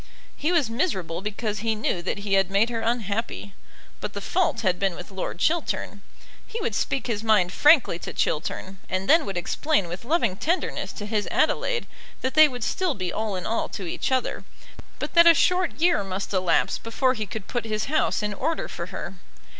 He was miserable because he knew that he had made her unhappy; but the fault had been with Lord Chiltern. He would speak his mind frankly to Chiltern, and then would explain with loving tenderness to his Adelaide that they would still be all in all to each other, but that a short year must elapse before he could put his house in order for her.